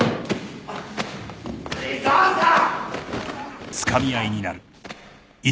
井沢さん！